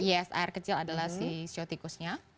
yes air kecil adalah siotikusnya